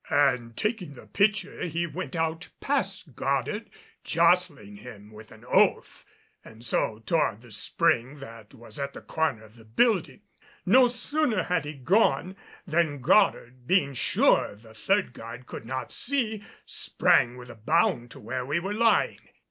And taking the pitcher he went out past Goddard, jostling him with an oath, and so toward the spring that was at the corner of the building. No sooner had he gone than Goddard being sure the third guard could not see sprang with a bound to where we were lying.